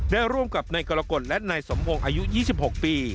ได้ร่วมกับในกรกฎและในสมพงศ์อายุ๒๖ปี